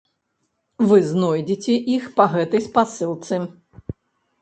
Вы знойдзеце іх па гэтай спасылцы.